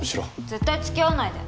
絶対付き合わないで。